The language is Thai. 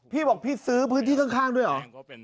พี่บอกพี่ซื้อพื้นที่ข้างด้วยเหรอ